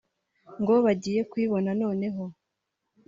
ngo bagiye kuyibona noneho